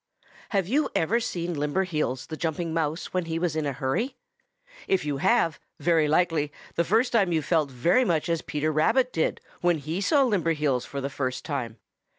Have you ever seen Limberheels the Jumping Mouse when he was in a hurry? If you have, very likely the first time you felt very much as Peter Rabbit did when he saw Limberheels for the first time.